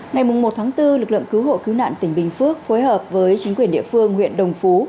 ngày một tháng bốn lực lượng cứu hộ cứu nạn tỉnh bình phước phối hợp với chính quyền địa phương huyện đồng phú